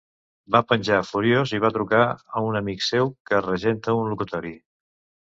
Va penjar furiós i va trucar un amic seu que regenta un locutori.